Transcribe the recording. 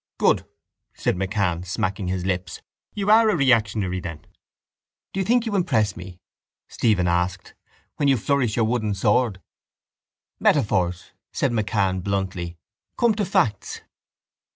—Good! said MacCann, smacking his lips. You are a reactionary, then? —Do you think you impress me, Stephen asked, when you flourish your wooden sword? —Metaphors! said MacCann bluntly. Come to facts.